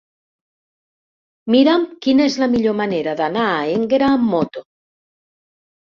Mira'm quina és la millor manera d'anar a Énguera amb moto.